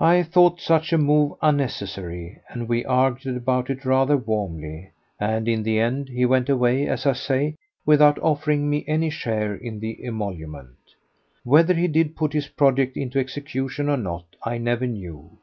I thought such a move unnecessary, and we argued about it rather warmly, and in the end he went away, as I say, without offering me any share in the emolument. Whether he did put his project into execution or not I never knew.